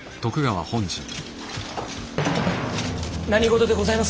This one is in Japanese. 何事でございます？